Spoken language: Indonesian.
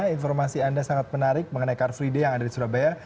informasi anda sangat menarik mengenai car free day yang ada di surabaya